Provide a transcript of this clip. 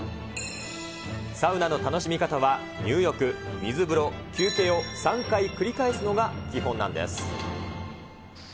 サウナの楽しみ方は、入浴、水風呂、休憩を３回繰り返すのが基本なんです。